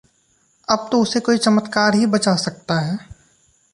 अब तो उसे कोई चमत्कार ही बचा सकता है।